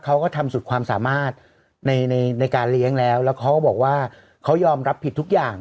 เขาก็ทำสุดความสามารถในในการเลี้ยงแล้วแล้วเขาก็บอกว่าเขายอมรับผิดทุกอย่าง